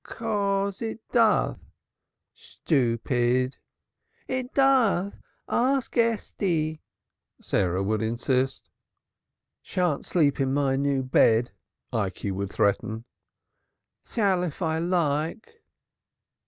"'Cos it doth." "Stoopid!" "It doth, arx Esty," Sarah would insist. "Than't teep in my new bed," Ikey would threaten. "Thall if I like."